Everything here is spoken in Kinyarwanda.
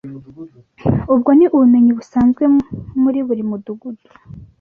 Ubwo ni ubumenyi busanzwe muri buri mudugudu.